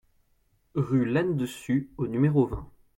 Rue Lanne-Dessus au numéro vingt